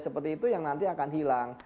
seperti itu yang nanti akan hilang